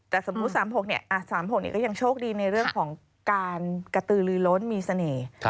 แต่สมมุติ๓๖๓๖ก็ยังโชคดีในเรื่องของการกระตือลือล้นมีเสน่ห์